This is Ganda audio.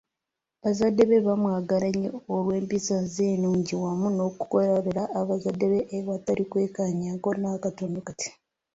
Bazadde be baamwagala nnyo olw’empisa ze ennungi wamu n'okukolera bazadde be awatali kwekaanyaako n’akatono kati.